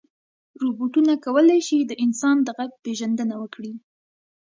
روبوټونه کولی شي د انسان د غږ پېژندنه وکړي.